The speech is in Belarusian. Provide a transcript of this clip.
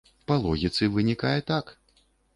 Па логіцы вынікае так.